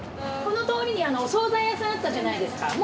この通りにお惣菜屋さんあったじゃないですか。